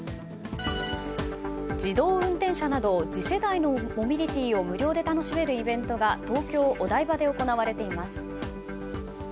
自動運転車など次世代のモビリティを無料で楽しめるイベントが東京・お台場で行われています。